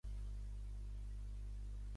Preferiria visitar Campos.